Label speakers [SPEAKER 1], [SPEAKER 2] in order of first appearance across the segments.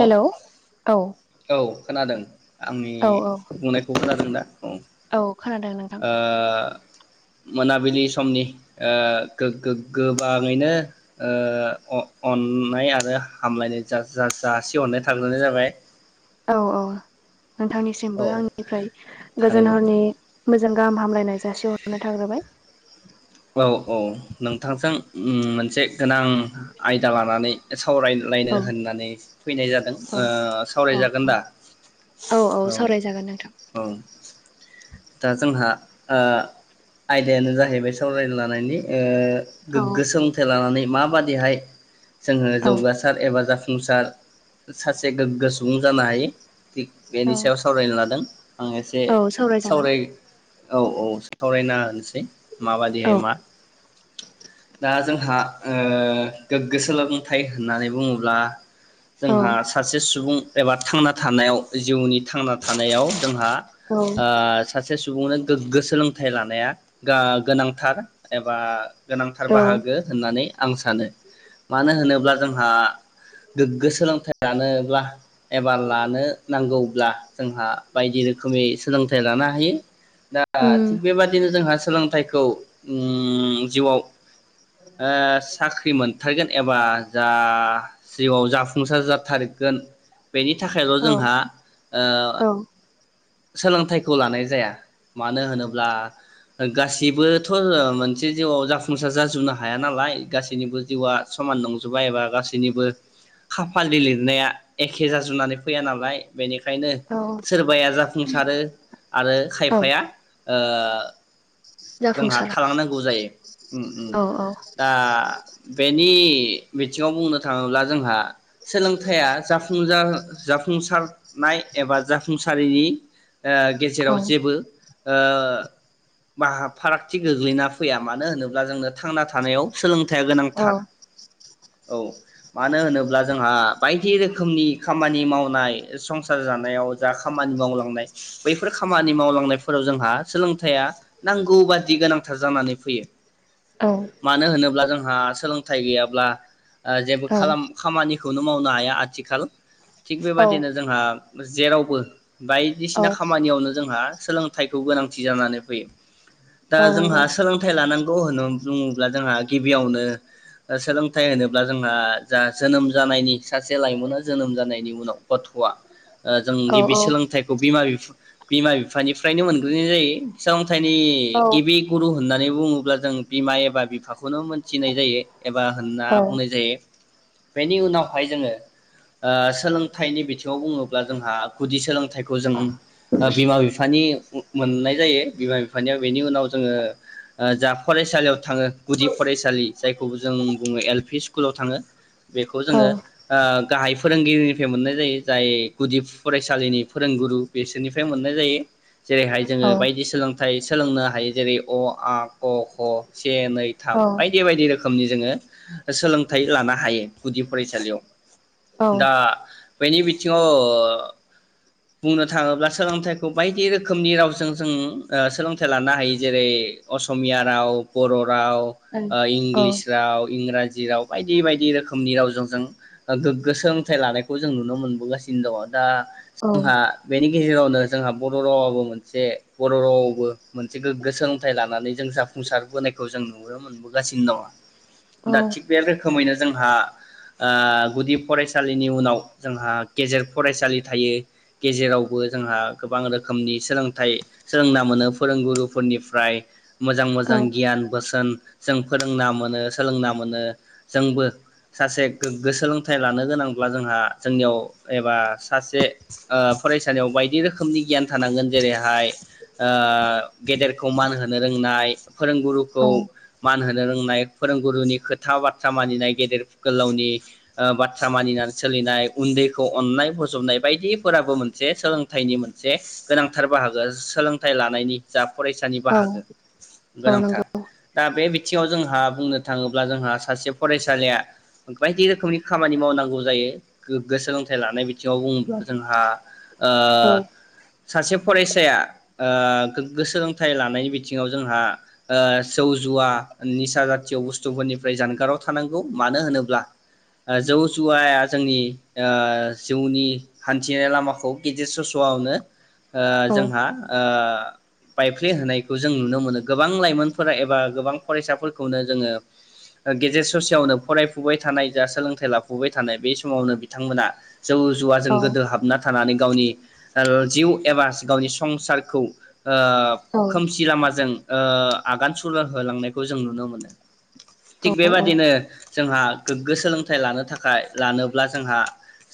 [SPEAKER 1] हेल' औ ।
[SPEAKER 2] औ खोनादों आंनि
[SPEAKER 1] औ
[SPEAKER 2] बुंनायखौ खोनादोंना औ ।
[SPEAKER 1] औ खोनादों नोंथां ।
[SPEAKER 2] मोनाबिलि समनि ओ गो-गो-गोबाङैनो ओ अ-अ-अननाय आरो हहामलायनाय जा-जा-जासिहरनाय थाग्रोनाय जाबाय।
[SPEAKER 1] औ औ ।
[SPEAKER 2] औ
[SPEAKER 1] नोंथांनिसिमबो आंनिफ्राय गोजोन
[SPEAKER 2] थारैनो
[SPEAKER 1] हरनि मोजां गाहाम हामलायनाय जासिहरनाय थाग्रोबाय ।
[SPEAKER 2] औ औ नोंथांजों मोनसे गोनां आयदा लानानै सावरायलायनो
[SPEAKER 1] औ
[SPEAKER 2] होननानै फैनाय जादों
[SPEAKER 1] औ
[SPEAKER 2] ओ
[SPEAKER 1] औ
[SPEAKER 2] सावरायजागोन
[SPEAKER 1] औ
[SPEAKER 2] दा औ ओं । दा जोंहा ओ आयदायानो जाहैबाय सा सावरायनो लानायनि
[SPEAKER 1] औ
[SPEAKER 2] गोग्गो सोलोंथाइ लानानै माबादिहाय जोङो
[SPEAKER 1] औ
[SPEAKER 2] जौगासार एबा जाफुं सार सासे गोग्गो सुबुं जानो हायो । थिग
[SPEAKER 1] औ
[SPEAKER 2] बेनि सायाव सावरायनो लादों आं एसे
[SPEAKER 1] औ सावरायजागोन
[SPEAKER 2] सावराय औ औ सावरायना होनोसै । माबादिहाय
[SPEAKER 1] औ
[SPEAKER 2] मा दा जोंहा ओ गोग्गो सोलोंथाइ होननानै बुङोब्ला
[SPEAKER 1] औ
[SPEAKER 2] जोंहा सासे सुबुं एबा थांना थानायाव जिउनि थांना थानायाव जोंहा
[SPEAKER 1] औ
[SPEAKER 2] ओ सासे सुबुंनो गोग्गो सोलोंथाइ लानाया गा गोनांथार एबा गोनांथार
[SPEAKER 1] औ
[SPEAKER 2] बाहागो होननानै आं सानो । मानो होनोब्ला जोंहा गोग्गो सोलोंथाइ जानोब्ला एबा लानो नांगौ ब्ला जोंहा बायदि रोखोमै सोलों थाय लानो हायो । दा थिग
[SPEAKER 1] उम
[SPEAKER 2] बेबादिनो जोंहा सोलोंथाइ थाइखौ उम जिउआव ओ साख्रि मोन मोनथारगोन एबा जा जिउआव जाफुंसार जाथारगोन बेनि थाखायल'
[SPEAKER 1] औ
[SPEAKER 2] जोंहा ओ
[SPEAKER 1] औ
[SPEAKER 2] सोलोंथाइखौ लानाय जाया मानो होनोब्ला ओ गासै बोथ मोनसे जिउआव जाफुंसार जाजुबनो हाया नालाय गासैनिबो जिउआ समान नंजोबाय एबा गासैनिबो खाफालनि लिरनाया एखे जाजुनानै फैया नालाय बेनिखायनो
[SPEAKER 1] औ
[SPEAKER 2] सोरबाया जाफुंसारो आरो
[SPEAKER 1] औ
[SPEAKER 2] खायफाया ओ जोंहा
[SPEAKER 1] जाफुंसारा
[SPEAKER 2] थालांनांगौ जायो उम उम
[SPEAKER 1] औ औ
[SPEAKER 2] दा बेनि बिथिङाव बुंनो थाङोब्ला जोंहा सोलोंथाइया जाफुंजार जाफुंसारनाय एबा जाफुंसारिनि ओ
[SPEAKER 1] औ
[SPEAKER 2] गेजेराव जेबो ओ बा [unintelligible] फारागथि गोग्लैना फैया मानो होनोब्ला जोंनो थांना थानायाव सोलों थाइया
[SPEAKER 1] औ
[SPEAKER 2] गोनांथार। औ मानो होनोब्ला जोंहा बायदि रोखोमनि खामानि मावनाय संसार जानायाव जा खामानि मावलांनाय बैफोर खामानि मावलांनायफोराव जोंहा सोलोंथाइया नांगौ बादि गोनांथार जानानै फैयो।
[SPEAKER 1] औ
[SPEAKER 2] मानो होनोब्ला जोंहा सोलोंथाइ गैयाब्ला ओ जेबो खालाम खामानि खौनो मावनो हाया आथिखाल थिग
[SPEAKER 1] औ
[SPEAKER 2] बेबादिनो जोंहा जेरावबो
[SPEAKER 1] औ
[SPEAKER 2] बायदिसिना खामानियावनो जोंहा सोलोंथाइखौ गोनांथि जानानै फैयो। दा
[SPEAKER 1] औ
[SPEAKER 2] जोंहा
[SPEAKER 1] नंगौ
[SPEAKER 2] सोलोंथाइ लानां [unintelligible] ङोब्ला जोंहा गिबियावनो ओ सोलोंथाइ होनोब्ला जोंहा जा जोनोम जानायनि सासे लाइमोना जोनोम जानायनि उनाव गथ'आ ओ जों
[SPEAKER 1] औ
[SPEAKER 2] गिबि
[SPEAKER 1] औ
[SPEAKER 2] सोलोंथाइखौ बिमा बिफ बिमा बिफानिफ्रायनो मोनग्रोनाय जायो [unintelligible]
[SPEAKER 1] औ
[SPEAKER 2] [unintelligible] गिबि गुरु होननानै बुङोब्ला जों बिमा एबा बिफाख खौनो मोनथिनाय जायो एबा होनना
[SPEAKER 1] औ
[SPEAKER 2] बुंनाय जायो। बेनि उनावहाय जोङो ओ सोलोंथाइनि बिथिङाव बुङोब्ला जोंहा गुदि सोलोंथाइखौ जों बिमा बिफानि मोननाय जायो बिमा बिफानिया बेनि उनाव जोङो जा फरायसालियाव थाङो गुदि फरायसालि जायखौबो जों बुङो एल पि स्कुलाव थाङो बेखौ जोङो आं गाहाय फोरोंगिरिनिफ्राय मोननाय जायो जाय गुदि फरायसालिनि फोरोंगुरु बिसोरनिफ्राय मोननाय जायो। जेरैहाय जोङो
[SPEAKER 1] औ
[SPEAKER 2] बायदिस नाथाय सोलोंनो हायो जेरै अ आ क ख से नै थाम
[SPEAKER 1] औ
[SPEAKER 2] बायदि बायदि रोख रोखोमनि जोङो सोलोंथाइ लानो हायो गुदि फरायसालियाव
[SPEAKER 1] औ
[SPEAKER 2] दा बेनि बिथिङाव अ बुंनो थाङोब्ला सोलोंथाइखौ बायदि रोखोमनि रावजों जों ओ सोलोंथाइ लानो हायो जेरै असमिया राव बर' राव
[SPEAKER 1] औ
[SPEAKER 2] इंग्लिस राव इंराजि राव बायदि बायदि रोखोमनि रावजों जों गोग्गो सोलोंथाइ लानायखौ जों नुनो मोनबोगासिनो दङ'। दा जोंहा बेनि गेजेरावनो जोंहा बर' रावाबो मोनसे ब बर' रावआवबो मोनसे गोग्गो सोलोंथाइ लानानै जों जाफुंसारबोनायखौ जों नुनो मोनबोगासिनो
[SPEAKER 1] औ
[SPEAKER 2] दङ'। दा थिग बे रोखोमैनो जोंहा गुदि फरायसालिनि उनाव जोंहा गेजेर फरायसालि थायो गेजेरावबो जोंहा गोबां रोखोमनि सोलोंथाइ सोलोंना मोनो फोरोंगुरुफोरनिफ्राय मोजां मोजां
[SPEAKER 1] औ
[SPEAKER 2] गियान बोसोन। जों फोरोंना मोनो सोलोंना मोनो जोंबो सासे गोग्गो सोलोंथाइ लानो गोनांब्ला जोंहा जोंनियाव एबा सासे फरायसालियाव बायदि रोखोमनि गियान थानांगोन। जेरैहाय ओ गेदेरखौ मान होनो रोंनाय, फोरोंगुरुखौ मान हो नो रोंनाय फोरोंगुरुनि खोथा बाथ्रा मानिनाय, गेदेर गोलावनि बाथ्रा मानिनानै सोलिनाय, उन्दैखौ अननाय, बजबनाय बायदिफोराबो मोनसे सोलोंथाइनि मोनसे गोनांथार बाहागो। सोलोंथाइ लानायनि जा फरायसानि
[SPEAKER 1] औ
[SPEAKER 2] बाहागो
[SPEAKER 1] औ नंगौ
[SPEAKER 2] गोनांथार दा बे बिथिङाव जोंहा बुंनो थाङोब्ला जोंहा सासे फरायसालिया बायदि रोखोमनि खामानि मावनांगौ जायो गोग्गो सोलोंथाइ लानाय बिथिङाव बुङोब्ला जोंहा ओ
[SPEAKER 1] औ
[SPEAKER 2] सासे फरायसाया गोग्गो सोलोंथाइ लानायनि बिथिङाव जोंहा जौ जुवा, निसा जातिय' बुस्थुफोरनिफ्राय जानगाराव थानांगौ मानो होनोब्ला जौ जुवाया जोंनि जिउनि हान्थिनाय लामाखौ गेदेर सस'आवनो ओ
[SPEAKER 1] औ
[SPEAKER 2] जोंहा ओ बाइफ्ले होनायखौ जों नुनो मोनो। गोबां लाइमोनफोरा एबा गोबां फरायसाफोरखौनो जोङो गेजेर ससेयावनो फरायफुबाय थानाय जा सोलोंथाइ लाफुबाय थानाय बे समावनो बिथांमोना जौ
[SPEAKER 1] औ
[SPEAKER 2] जुवाजों गोदो हाबना थानानै गावनि जिउ एबा गावनि संसार खौ ओ
[SPEAKER 1] औ
[SPEAKER 2] खोमसि लामाजों ओ आगान सुर होलांनायखौ जों नुनो मोनो।
[SPEAKER 1] औ
[SPEAKER 2] थिग बेबादिनो जोंहा गोग्गो सोलोंथाइ लानो थाखाय लानोब्ला जोंहा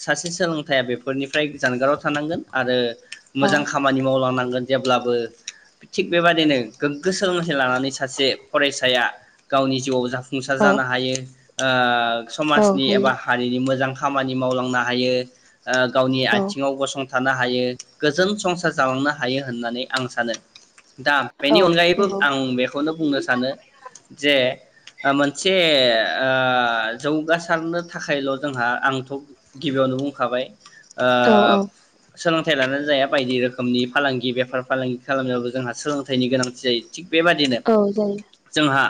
[SPEAKER 2] सासे सोलोंथाइया बेफोरनिफ्राय जानगाराव थानांगोन आरो मोजां खामानि मावलांनांगोन। जेब्लाबो थिग बेबादि बेबादिनो गोग्गो सोलोंथाइ लानानै सासे फरायसाया गावनि जिउआव जा फुंसार
[SPEAKER 1] औ
[SPEAKER 2] जानो हायो। ओह समाजनि एबा
[SPEAKER 1] हायो
[SPEAKER 2] हारिनि मोजां खामानि मावलांनो हायो ओ गावनि
[SPEAKER 1] औ
[SPEAKER 2] आथिङाव गसं थानो हायो गोजोन संसार जालांनो हायो होननानै आं सानो दा बेनि अनगायैबो
[SPEAKER 1] नंगौ
[SPEAKER 2] आं बेखौनो बुंनो सानो जे ओ मोनसे ओह जौगासारनो थाखायल' जोंहा आंथ' गिबियावनो बुंखाबाय ओ
[SPEAKER 1] औ
[SPEAKER 2] सोलों लोंथाइ लानानै जाया बायदि रोखोमनि फालांगि गि बेफार फालांगि खालामनायावबो जोंहा सोलों थायनि गोनांथि जायो थिग बेबादिनो
[SPEAKER 1] औ जायो
[SPEAKER 2] जोंहा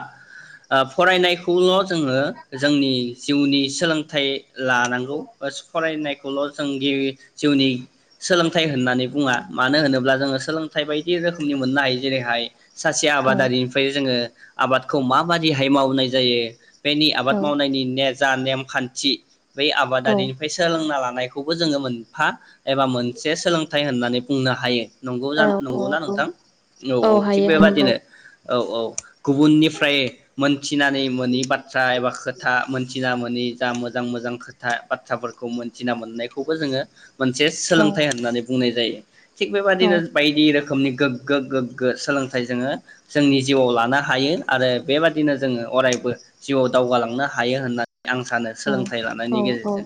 [SPEAKER 2] ओ फरायनायखौल' जोङो जोंनि जिउनि सोलोंथाइ लानांगौ [unintelligible] फरायनायखौ खौल जोंदि जिउनि सोलोंथाइ होननानै बुङा मानो होनोब्ला जोङो सोलोंथाइ बायदि रोखोमनि मोननो हायो जेरैहाय सासे
[SPEAKER 1] औ
[SPEAKER 2] आबादारिनिफ्राय जोङो आबादखौ माबादिहाय मावनाय जायो बेनि आबाद
[SPEAKER 1] औ
[SPEAKER 2] मावनायनि नेर जा नेमखान्थि बै
[SPEAKER 1] औ
[SPEAKER 2] आबादारिनिफ्राय सोलोंना ला नायखौबो जोङो मोनफा एबा मोनसे सोलोंथाइ होननानै बुंनो हायो नंगौ जा
[SPEAKER 1] औ
[SPEAKER 2] नंगौना
[SPEAKER 1] औ
[SPEAKER 2] नोंथां औ औ थिक
[SPEAKER 1] हायो हायो नंगौ
[SPEAKER 2] बेबादिनो औ औ गुबुननिफ्राय मोनथिनानै मोनि बाथ्रा एबा खोथा मोनथिना मोन नि जा मोजां मोजां खोथा बाथ्राफोरखौ मोनथिना मोननायखौबो जोङो मोनसे
[SPEAKER 1] औ
[SPEAKER 2] सोलोंथाइ होननानै बुंनाय जायो थिग
[SPEAKER 1] औ
[SPEAKER 2] बेबादिनो बायदि रोखो खोमनि गोग्गो गोग्गो सोलोंथाइ जोङो जोंनि जिउआव लानो हायो आरो बेबादिनो जोङो अरायबो जिउआव दावगालांनो हायो होनना आं सानो सोलोंथाइ लानायनि
[SPEAKER 1] औ औ
[SPEAKER 2] गेजेरजों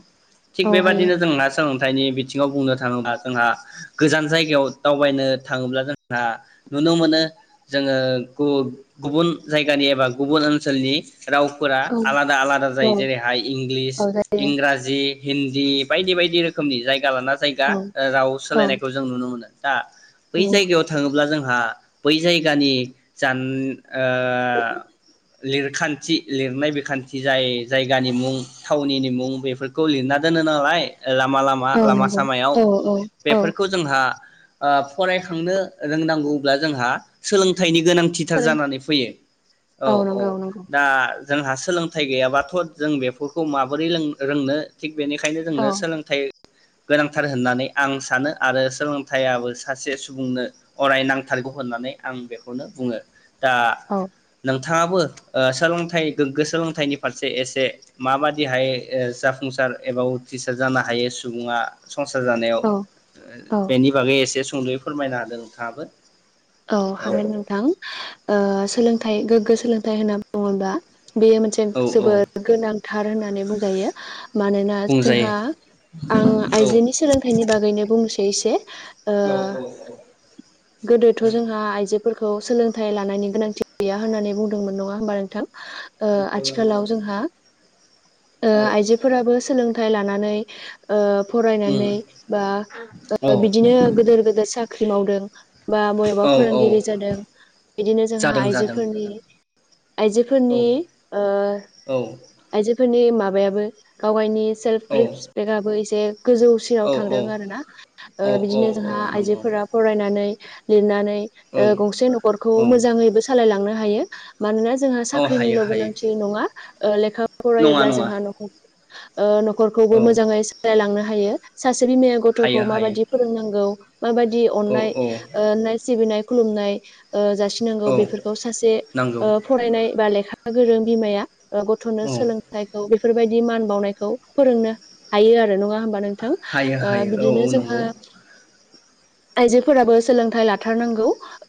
[SPEAKER 2] थिग
[SPEAKER 1] औ हायो
[SPEAKER 2] बेबादिनो जोंना सोलों थायनि बिथिंङाव बुंनो थांङोब्ला जोंहा गोजान जायगायाव दावबायनो थांङोब्ला जोंहा नुनो मोनो जोंङो गु-गुबुन जायगानि एबा गुबुन ओनसोलनि रावफोरा
[SPEAKER 1] औ
[SPEAKER 2] आलादा आलादा
[SPEAKER 1] औ
[SPEAKER 2] जायो जेरै हाय इंलिस,
[SPEAKER 1] औ जायो
[SPEAKER 2] इंराजि हिन्दी बायदि बायदि रोखोमनि जाय गा लाना जायगा
[SPEAKER 1] औ
[SPEAKER 2] ओ राव
[SPEAKER 1] औ
[SPEAKER 2] सोलायनायखौ जों नुनो मोनो। दा बै जायगायाव थांङोब्ला जोंहा बै जायगानि जान ओ लिर खान्थि लिरनाय बिखान्थि जाय जायगानि मुं थावनिनि मुं बेफोरखौ लिरना दोनो नालाय ओ लामा लामा
[SPEAKER 1] औ
[SPEAKER 2] लामा
[SPEAKER 1] नंगौ
[SPEAKER 2] सामायाव
[SPEAKER 1] औ
[SPEAKER 2] बेफोरखौ
[SPEAKER 1] औ
[SPEAKER 2] जोंहा ओ फरायखांनो रोंनांगौब्ला जोंहा सोलोंथाइनि गोनांथिथार जानानै फैयो औ औ
[SPEAKER 1] नंगौ नंगौ
[SPEAKER 2] दा जोंहा सोलोंथाइ गैयाबाथ' जों बेफोरखौ माबोरै रों रोंनो थिग बेनिखायनो
[SPEAKER 1] औ
[SPEAKER 2] जोंनो सोलोंथाइ गोनांथार होननानै आं सानो आरो सोलोंथाइयाबो सासे सुबुंनो अराय नांथारगौ होननानै आं बेखौनो बुंङो। दा
[SPEAKER 1] औ
[SPEAKER 2] नों थांङाबो ओ सोलोंथाइ गोग्गो सोलोंथाइनि फारसे एसे माबादिहाय जाफुंसार एबा उट्रिसार जानो हायो सुबुंङा संसार जानायाव
[SPEAKER 1] औ औ
[SPEAKER 2] बेनि बागै एसे सुंद'यै फोरमायना होदो नोंथांङाबो
[SPEAKER 1] औ हागोन नोंथां ओ सोलोंथाइ गोग गोग्गो सोलोंथाइ होनना बुंङोब्ला बेयो मोनसे
[SPEAKER 2] औ औ
[SPEAKER 1] जोबोद गोनांथार होननानै बुं जायो। मानोना
[SPEAKER 2] बुंजायो
[SPEAKER 1] जोंहा आं
[SPEAKER 2] औ
[SPEAKER 1] आइजोनि सोलोंथाइनि बागैनो बुंस एसे ओ
[SPEAKER 2] औ औ
[SPEAKER 1] गोदो खौ
[SPEAKER 2] नंगौ
[SPEAKER 1] जोंहा आइजो फोरखौ सोलोंथाइ लानायनि गोनांथि गैया होननानै बुंदोंमोन नंङा होमबा नोंथां? ओ
[SPEAKER 2] नंगौ नंगौ
[SPEAKER 1] आथिखालाव
[SPEAKER 2] नंगौ
[SPEAKER 1] जोंहा ओ
[SPEAKER 2] औ
[SPEAKER 1] आइजोफोराबो सोलों थाय लानानै ओ
[SPEAKER 2] उम
[SPEAKER 1] फरायनानै बा
[SPEAKER 2] औ
[SPEAKER 1] बिदिनो गोदोर गोदोर साख ख्रि मावदों। बा बबेबा
[SPEAKER 2] औ
[SPEAKER 1] फोरोंगिरि
[SPEAKER 2] औ
[SPEAKER 1] जादों बिदिनो जोंहा
[SPEAKER 2] जादों जादों
[SPEAKER 1] आइजोफोरनि
[SPEAKER 2] जादों औ
[SPEAKER 1] आइजोफोरनि ओ
[SPEAKER 2] औ
[SPEAKER 1] आइजो फोरनि माबायाबो गाव गायनि सेल्फ
[SPEAKER 2] औ
[SPEAKER 1] रिसपेक्टआबो एसे गोजौसिनाव थांदों
[SPEAKER 2] औ
[SPEAKER 1] आरो ना ओ
[SPEAKER 2] औ औ
[SPEAKER 1] बिदिनो
[SPEAKER 2] औ
[SPEAKER 1] जोंहा
[SPEAKER 2] नंगौ
[SPEAKER 1] आइजोफोरा फरायनानै लिरनानै
[SPEAKER 2] औ
[SPEAKER 1] ओ गंसे न'खरखौ
[SPEAKER 2] औ
[SPEAKER 1] मोजाङैबो सालायलांनो हायो मानोना जोंहा
[SPEAKER 2] औ हायो
[SPEAKER 1] साख्रिनिल'
[SPEAKER 2] हायो
[SPEAKER 1] गोनांथि नङा ओ लेखा
[SPEAKER 2] नङा
[SPEAKER 1] फरायोब्ला
[SPEAKER 2] नङा
[SPEAKER 1] जोंहा न'खौ ओ न'खरखौबो
[SPEAKER 2] औ
[SPEAKER 1] मोजाङै सालायलांनो हायो सासे बिमाया
[SPEAKER 2] हायो
[SPEAKER 1] गथ'खौ
[SPEAKER 2] हायो
[SPEAKER 1] माबायदि फोरोंनांगौ माबादि
[SPEAKER 2] औ
[SPEAKER 1] अननाय
[SPEAKER 2] औ
[SPEAKER 1] नाय सिबिनाय खुलुमनाय ओ जासिनांगौ
[SPEAKER 2] औ
[SPEAKER 1] बेफोरखौ सासे
[SPEAKER 2] नांगौ
[SPEAKER 1] ओ फरायनाय बा लेख लेखा गोरों बिमाया ओ गथ'नो
[SPEAKER 2] औ
[SPEAKER 1] सोलोंथाइखौ बे बेफोरबायदि मान बावनायखौ फोरोंनो हायो आरो नङा होनबा नोंथां
[SPEAKER 2] हायो
[SPEAKER 1] ओ
[SPEAKER 2] हायो औ
[SPEAKER 1] बिदिनो
[SPEAKER 2] औ
[SPEAKER 1] जोंहा
[SPEAKER 2] नंगौ
[SPEAKER 1] आइजोफोराबो सोलोंथाइ लाथारनांगौ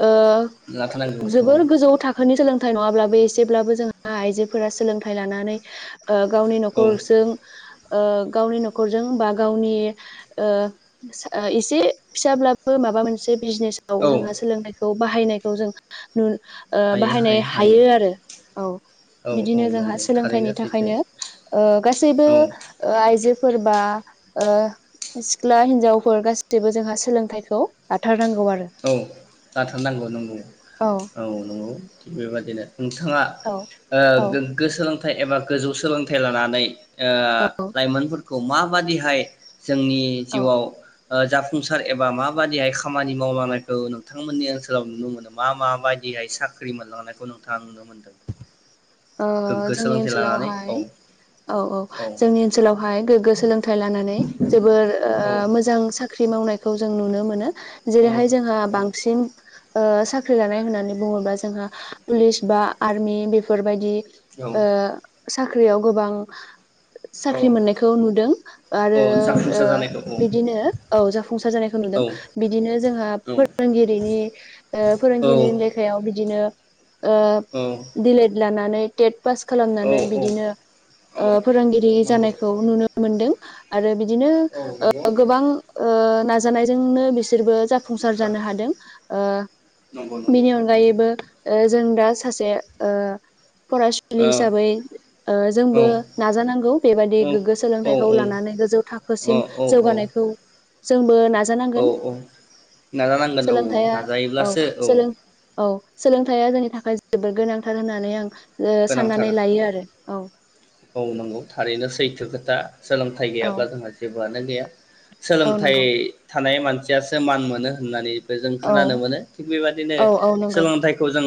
[SPEAKER 1] ओ
[SPEAKER 2] लाथानांगौ औ
[SPEAKER 1] जोबोर गोजौ थाखोनि सोलों थाइ नङाब्लाबो एसेब्लाबो जोंहा आइजोफोरा सोलोंथाइ लानानै ओ गावनि
[SPEAKER 2] औ
[SPEAKER 1] नखरजों। ओ गावनि नखरजों बा गावनि ओ एसे फिसाब्लाबो माबा मोनसे। जेसआव
[SPEAKER 2] औ
[SPEAKER 1] जोंहा सोलोंथायखौ। बाहायनायखौ जों नु ओ बाहायनाय हायो आरो औ
[SPEAKER 2] औ
[SPEAKER 1] बिदिनो जोंहा
[SPEAKER 2] नंगौ थारैनो
[SPEAKER 1] सोलोंथाइनि
[SPEAKER 2] सैथो
[SPEAKER 1] थाखायनो ओ गासैबो
[SPEAKER 2] औ
[SPEAKER 1] ओ आइजो। फोरबा ओ सिख्ला हिनजावफोर गासिबो जोंहा सोलोंथाइखौ लाथारनांगौ आरो
[SPEAKER 2] औ आथारनांगौ नंगौ औ नंगौ बेबादिनो। नोंथांङा
[SPEAKER 1] औ
[SPEAKER 2] ओ गोग्गो सोलों थाइ एबा गोजौ सोलोंथाइ लानानै। ओ
[SPEAKER 1] औ
[SPEAKER 2] लाइमोनफोरखौ माबादिहाय। जोंनि
[SPEAKER 1] औ
[SPEAKER 2] जिउआव। ओ जाफुंसार एबा माबादि हाय खामानि। मावलांनायखौ नोंथांमोननि ओनसोलाव नुनो मोनदों मा मा बायदिहाय साख्रि मोनलांनायखौ नोंथाङा नुनो मोनदों?
[SPEAKER 1] ओ
[SPEAKER 2] गोग्गो
[SPEAKER 1] जोंनि
[SPEAKER 2] सोलोंथाइ लानानै
[SPEAKER 1] ओनसोलावहाय
[SPEAKER 2] औ
[SPEAKER 1] औ औ जोंनि ओनसोलावहाय गोग्गो सोलोंथाइ लानानै जोबोर
[SPEAKER 2] औ
[SPEAKER 1] मोजां साख्रि मावनाय। खौ जों नुनो मोनो।
[SPEAKER 2] औ
[SPEAKER 1] जेरैहाय जोंहा बांसिन। ओ साख्रि लानाय होननानै बुङोबा जोंहा पुलिस बा आर्मि बे। बेफोरबायदि।
[SPEAKER 2] औ
[SPEAKER 1] ओ साख्रियाव गोबां
[SPEAKER 2] औ
[SPEAKER 1] साख्रि मोननायखौ नुदों
[SPEAKER 2] औ
[SPEAKER 1] आरो
[SPEAKER 2] जाफुंसार जानायखौ
[SPEAKER 1] बिदिनो औ जाफुंसार जाना। यखौ नुदों
[SPEAKER 2] औ
[SPEAKER 1] बिदिनो जोंहा
[SPEAKER 2] औ
[SPEAKER 1] फोरोंगिरिनि
[SPEAKER 2] औ
[SPEAKER 1] फोरोंगिरिनि लेखायाव बिदिनो आ दिले। जानानैे पास
[SPEAKER 2] औ
[SPEAKER 1] खालामनानै
[SPEAKER 2] औ
[SPEAKER 1] बिदिनो
[SPEAKER 2] औ
[SPEAKER 1] ओ फोरोंगिरि
[SPEAKER 2] नंगौ
[SPEAKER 1] जानायखौ नुनो मोनदों। आरो बिदि बिदिनो
[SPEAKER 2] औ
[SPEAKER 1] ओ
[SPEAKER 2] नंगौ
[SPEAKER 1] गोबां ओ नाजानायजोंनो बिसोरबो जाफुंना फुंसार जानो हादों। ओ।
[SPEAKER 2] नंगौ नंगौ
[SPEAKER 1] बिनि अनगायैबो जों दा। सासे ओ फरायसुलि
[SPEAKER 2] औ
[SPEAKER 1] हिसाबै ओ
[SPEAKER 2] औ
[SPEAKER 1] जोंबो नाजानांगौ बेबायदि गोग्गो
[SPEAKER 2] औ औ
[SPEAKER 1] सोलोंथाइखौ लानानै गोजौ
[SPEAKER 2] औ
[SPEAKER 1] थाखोसिम
[SPEAKER 2] औ
[SPEAKER 1] जौगानायखौ जों बो
[SPEAKER 2] औ
[SPEAKER 1] नाजानांगोन
[SPEAKER 2] औ नाजानांगोन औ
[SPEAKER 1] सोलोंथाया औ
[SPEAKER 2] नाजायोब्लासो
[SPEAKER 1] सोलों औ सोलोंथाया जोंनि थाखायबो जोबोर गोनांथार होना माने आं
[SPEAKER 2] गोनांथार
[SPEAKER 1] साननानै लायो आरो औ
[SPEAKER 2] मावनांगौ थारैनो सैथो खोथा सोलोंथाइ
[SPEAKER 1] औ
[SPEAKER 2] गैयाब्ला जोंहा जेबोआनो गैया
[SPEAKER 1] औ
[SPEAKER 2] सोलोंथाइ
[SPEAKER 1] नंगौ
[SPEAKER 2] थानाय मानसियासो मान मोनो होननानै बे जों
[SPEAKER 1] औ
[SPEAKER 2] खोनानो मोनो थिग बेबादिनो
[SPEAKER 1] औ औ नंगौ
[SPEAKER 2] सोलोंथाइखौ जों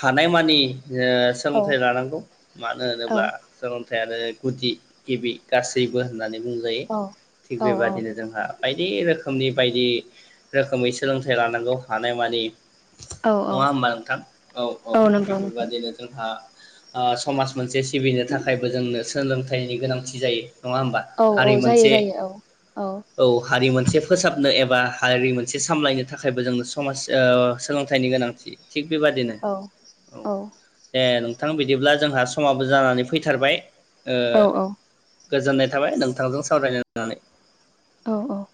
[SPEAKER 2] हानायमानि ओह
[SPEAKER 1] औ
[SPEAKER 2] सोलोंथाइ लानांगौ मानो होनोब्ला नाथाय आरो गुदि गिबि गासैबो होननानै बुंजायो
[SPEAKER 1] औ
[SPEAKER 2] थिग
[SPEAKER 1] औ
[SPEAKER 2] बेबादिनो जोंहा बायदि रोखोमनि बायदि रोखोमै सोलोंथाइ लानांगौ हानायमानि
[SPEAKER 1] औ
[SPEAKER 2] नङा
[SPEAKER 1] औ
[SPEAKER 2] होमबा नोंथां औ औ थिग
[SPEAKER 1] नंगौ
[SPEAKER 2] बेफोर
[SPEAKER 1] नोंथां
[SPEAKER 2] बादिनो जों ओ ओ समाज मोनसे सिबिनो थाखायबो जोंनो सोलोंथाइनि गोनांथि जायो। नङा होमबा
[SPEAKER 1] औ औ
[SPEAKER 2] हारि
[SPEAKER 1] जायो
[SPEAKER 2] मोनसे
[SPEAKER 1] जायो औ
[SPEAKER 2] औ हारि मोनसे फोसाबनो एबा हारि मोनसे सामलायनो थाखायबो जोंनो समाज ओ सोलोंथाइनि गोनांथि थिग बेबादिनो
[SPEAKER 1] औ
[SPEAKER 2] औ दे नोंथां बिदि बिदिब्ला जोंहा समाबो जानानै फैथारबाय ओ
[SPEAKER 1] औ
[SPEAKER 2] गोजोननाय थाबाय नोंथांजों सावराय मोननानै
[SPEAKER 1] औ औ